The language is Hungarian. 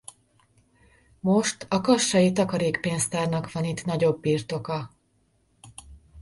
Most a kassai takarékpénztárnak van itt nagyobb birtoka.